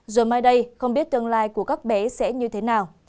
giờ mai đây không biết tương lai của các bé sẽ như thế nào